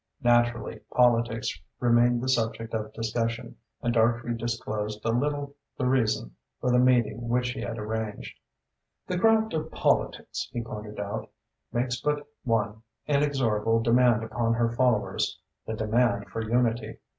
Naturally, politics remained the subject of discussion and Dartrey disclosed a little the reason for the meeting which he had arranged. "The craft of politics," he pointed out, "makes but one inexorable demand upon her followers the demand for unity.